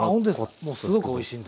もうすごくおいしいんで。